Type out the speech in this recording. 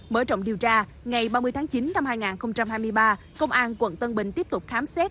mở rộng điều tra ngày ba mươi tháng chín năm hai nghìn hai mươi ba công an quận tân bình tiếp tục khám xét